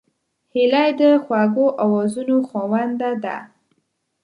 هیلۍ د خوږو آوازونو خاوند ده